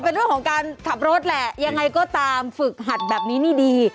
เป็นเรื่องของการขับรถแหละยังไงก็ตามฝึกหัดแบบนี้นี่ดี